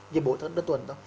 vì bổ thận đơn thuần thôi